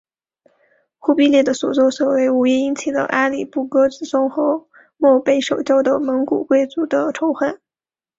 忽必烈的所做所为无疑引起了阿里不哥子孙和漠北守旧的蒙古贵族的仇恨。